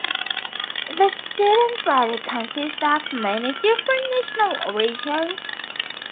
The student body consists of many different national origins.